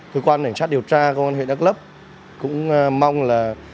cơ quan cảnh sát điều tra công an huyện đắk lấp cũng mong là